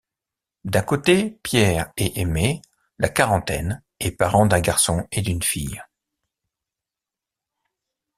D'un côté, Pierre et Aimée, la quarantaine et parents d'un garçon et d'une fille.